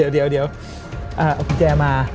เดี๋ยวเอากุญแจมา